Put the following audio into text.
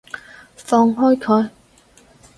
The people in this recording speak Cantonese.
放開佢！